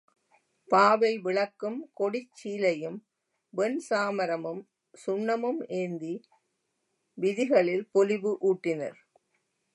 பாவை விளக்கும், கொடிச் சீலையும், வெண்சாமரமும், சுண்ணமும் ஏந்தி விதிகளில் பொலிவு ஊட்டினர்.